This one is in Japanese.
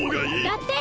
だって！